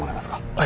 はい。